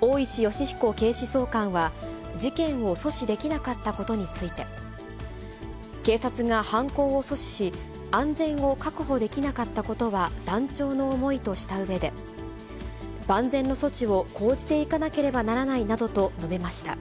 大石吉彦警視総監は、事件を阻止できなかったことについて、警察が犯行を阻止し、安全を確保できなかったことは、断腸の思いとしたうえで、万全の措置を講じていかなければならないなどと述べました。